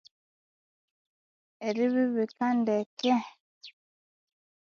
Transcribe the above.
Eribibika ndeke